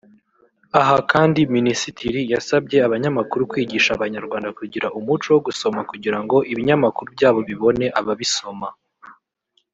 Aha kandi Ministiri yasabye abanyamakuru kwigisha Abanyarwanda kugira umuco wo gusoma kugira ngo ibinyamakuru byabo bibone ababisoma